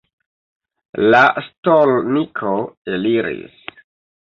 La stolniko eliris.